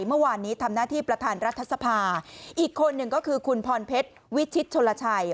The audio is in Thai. เมื่อวานนี้ทำหน้าที่ประธานรัฐสภาอีกคนหนึ่งก็คือคุณพรเพชรวิชิตชนลชัย